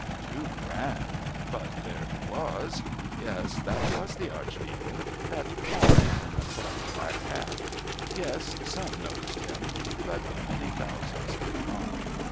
Too grand. But there he was. Yes, that was the Archdeacon. That tall man in the soft black hat. Yes, some noticed him. But many thousands did not.